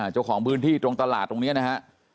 เจ้าของพื้นที่ตรงตลาดตรงนี้นะฮะ